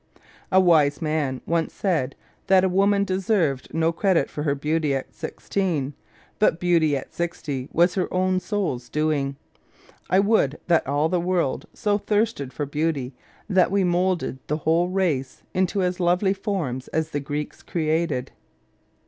A wise man once said that a woman deserved no credit for her beauty at sixteen, but beauty at sixty was her own soul's doing. I would that all the world so thirsted for beauty that we moulded the whole race mto as lovely forms as the Greeks created.